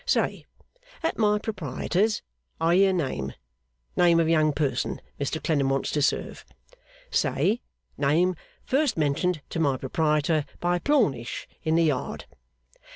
Say, at my proprietor's I hear name name of young person Mr Clennam wants to serve. Say, name first mentioned to my proprietor by Plornish in the Yard.